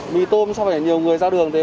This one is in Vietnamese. mì tôm sao phải nhiều người ra đường thế